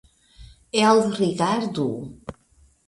Elrigardu!